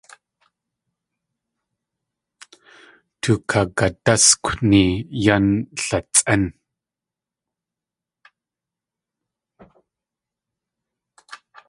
Tukagadáskwni yan latsʼén.